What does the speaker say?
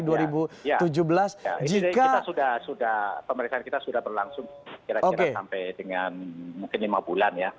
jadi pemeriksaan kita sudah berlangsung kira kira sampai dengan mungkin lima bulan ya